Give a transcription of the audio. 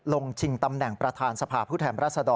ชิงตำแหน่งประธานสภาผู้แทนรัศดร